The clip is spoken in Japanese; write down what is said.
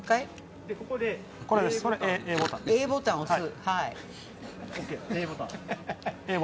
Ａボタンを押す。